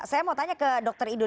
saya mau tanya ke dokter idun